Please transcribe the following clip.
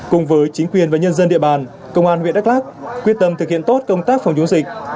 cùng với chính quyền và nhân dân địa bàn công an huyện đắk lạc quyết tâm thực hiện tốt công tác phòng chống dịch